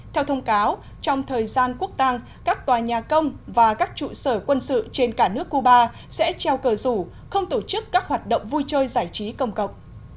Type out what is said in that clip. theo thông cáo trong thời gian quốc tàng các tòa nhà công và các trụ sở quân sự trên cả nước cuba sẽ treo cờ rủ không tổ chức các hoạt động vui chơi giải trí công cộng